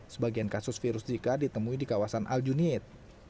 sebagian kasus virus zika ditemui di kawasan aljunied